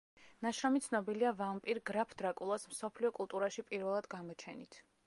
ნაშრომი ცნობილია ვამპირ გრაფ დრაკულას მსოფლიო კულტურაში პირველად გამოჩენით.